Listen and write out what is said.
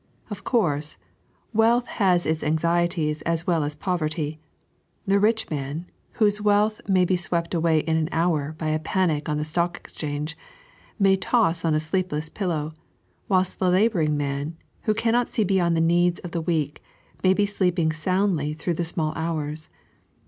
Of course, wealth has its anxietiee as well as poverty. The rich man, whose wealth may be swept away in an hour by a panic on the Stock Exchange, may toss on a sleepless pillow, whilst the labouring man, who cannot see beyond the needs of the week, may be sleeping soundly through the small hours.